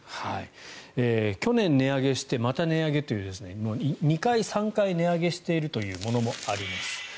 去年値上げしてまた値上げという２回、３回値上げしているものもあります。